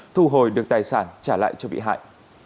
thu hồi được tài sản trả lại cho bị hại